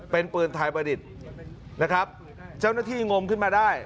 เป็นปืนไทยประดิษฐ์นะครับเจ้าหน้าที่งมขึ้นมาได้